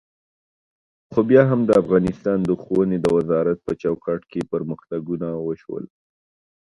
خو بیا هم د افغانستان د ښوونې د وزارت په چوکاټ کې پرمختګونه وشول.